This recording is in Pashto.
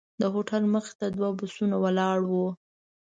د هوټل مخې ته دوه بسونه ولاړ وو.